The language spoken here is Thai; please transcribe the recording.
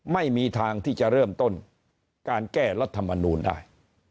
ไม่มีทางที่จะเริ่มต้นการแก้รัฐมนูลได้